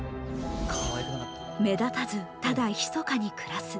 目立たずただひそかに暮らす。